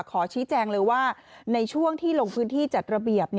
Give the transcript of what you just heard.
ขอชี้แจงเลยว่าในช่วงที่ลงพื้นที่จัดระเบียบ